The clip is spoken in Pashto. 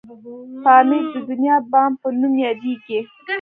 پامير د دنيا بام په نوم یادیږي.